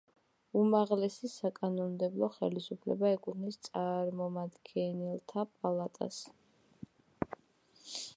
უმაღლესი საკანონმდებლო ხელისუფლება ეკუთვნის წარმომადგენელთა პალატას.